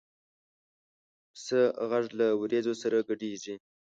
پسه غږ له وریځو سره ګډېږي.